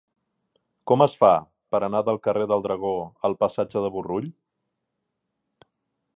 Com es fa per anar del carrer del Dragó al passatge de Burrull?